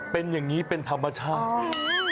เป็นอย่างนี้เป็นธรรมชาติ